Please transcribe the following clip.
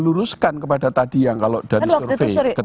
meluruskan kepada tadi yang kalau dari survei ketika itu